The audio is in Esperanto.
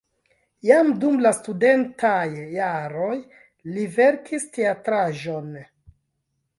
Jam dum la studentaj jaroj li verkis teatraĵon.